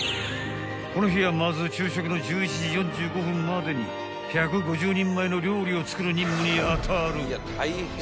［この日はまず昼食の１１時４５分までに１５０人前の料理を作る任務に当たる］